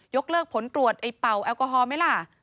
เลิกผลตรวจไอ้เป่าแอลกอฮอลไหมล่ะ